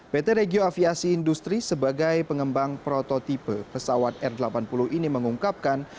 pt regio aviasi industri sebagai pengembang prototipe pesawat r delapan puluh ini mengungkapkan